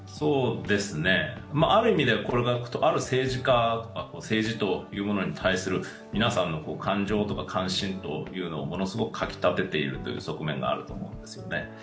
ある意味ではこれが、ある政治家政治というものに対する皆さんの感情とか関心というのをものすごくかき立てている側面があると思うんですよね。